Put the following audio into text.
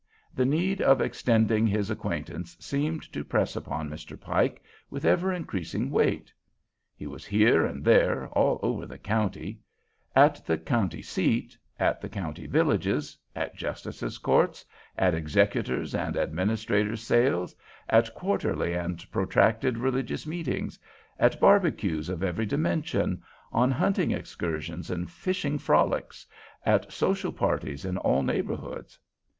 The need of extending his acquaintance seemed to press upon Mr. Pike with ever increasing weight. He was here and there, all over the county; at the county seat, at the county villages, at justices' courts, at executors' and administrators' sales, at quarterly and protracted religious meetings, at barbecues of every dimension, on hunting excursions and fishing frolics, at social parties in all neighborhoods.